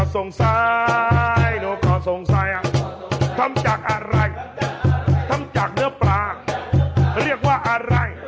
สวัสดีค่ะ